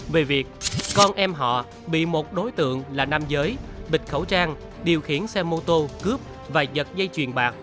về việc con em họ bị một đối tượng là nam giới bịt khẩu trang điều khiển xe mô tô cướp và giật dây chuyền bạc